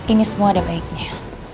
ini semua ada baiknya